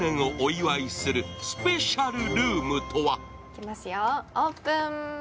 行きますよ、オープン。